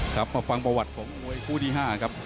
ครับมาฟังประวัติของมวยคู่ที่๕ครับ